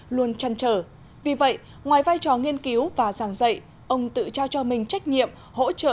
luôn chăn trở vì vậy ngoài vai trò nghiên cứu và giảng dạy ông tự trao cho mình trách nhiệm hỗ trợ